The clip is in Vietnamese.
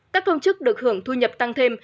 các công chức được hưởng thu nhập tăng thêm